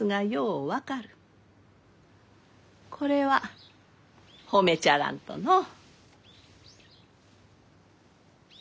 これは褒めちゃらんとのう。